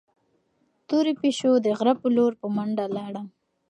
تورې پيشو د غره په لور په منډه لاړه.